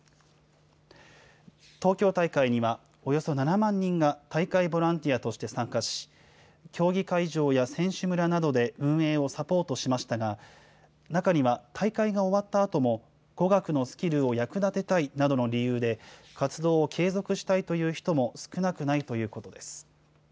東京大会には、およそ７万人が大会ボランティアとして参加し、競技会場や選手村などで運営をサポートしましたが、中には大会が終わったあとも、語学のスキルを役立てたいなどの理由で、活動を継続したいという人も少なくないということです。